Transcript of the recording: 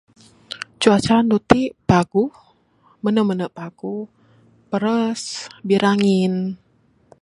Cuaca andu ti paguh...mene-mene paguh...paras, birangin.